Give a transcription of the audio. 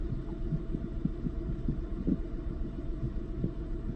圣欧班福斯卢万人口变化图示